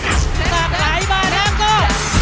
สักหลายบาทนั้นก็คุยกับบอล